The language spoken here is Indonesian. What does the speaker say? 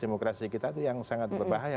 demokrasi kita itu yang sangat berbahaya